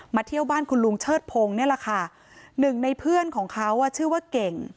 เที่ยวบ้านคุณลุงเชิดพงศ์นี่แหละค่ะหนึ่งในเพื่อนของเขาอ่ะชื่อว่าเก่ง